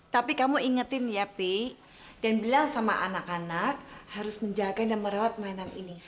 tapi kamu ingetin ya pi dan bilang sama anak anak harus menjaga dan merawat mainan ini